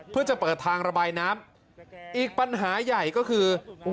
เพื่อจะเปิดทางระบายน้ำอีกปัญหาใหญ่ก็คือ